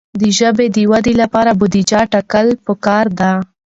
د ژبې د ودې لپاره بودیجه ټاکل پکار ده.